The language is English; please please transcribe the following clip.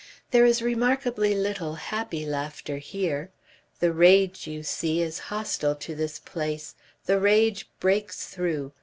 There is remarkably little happy laughter here. The RAGE, you see, is hostile to this place, the RAGE breaks through....